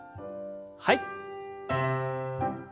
はい。